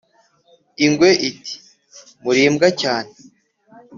ingwe iti «muri imbwa cyane